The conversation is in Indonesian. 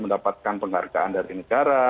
mendapatkan penghargaan dari negara